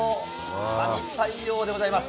神対応でございます。